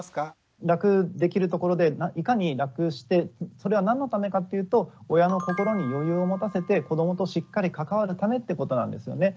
楽できるところでいかに楽してそれは何のためかっていうと親の心に余裕を持たせて子どもとしっかり関わるためってことなんですよね。